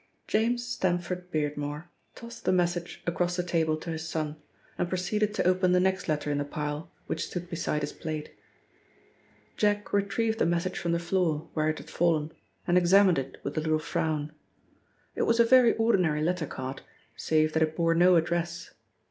James Stamford Beardmore tossed the message across the table to his son and proceeded to open the next letter in the pile which stood beside his plate. Jack retrieved the message from the floor, where it had fallen, and examined it with a little frown. It was a very ordinary letter card, save that it bore no address.